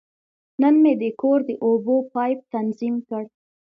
نن مې د کور د اوبو پایپ تنظیم کړ.